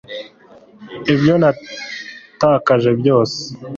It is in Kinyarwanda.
ibyo natakaje byose